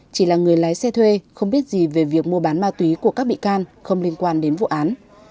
chỉ là người lái xe thuê không biết gì về việc mua bán ma túy của các bị can không liên quan đến vụ án